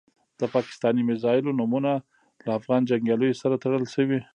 د پاکستاني میزایلو نومونه له افغان جنګیالیو سره تړل شول.